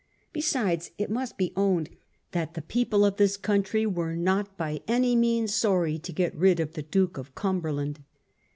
Besides it must be owned that the people of this country were not by any means sorry to be rid of the Duke of Cumberland.